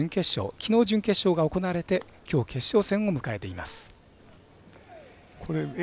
きのう準決勝が行われてきょう、決勝戦を迎えています。